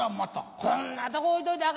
こんなとこ置いといたらあ